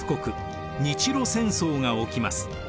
日露戦争が起きます。